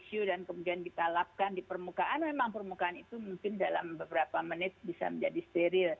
isu dan kemudian kita lapkan di permukaan memang permukaan itu mungkin dalam beberapa menit bisa menjadi steril